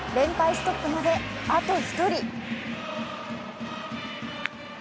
ストップまであと１人。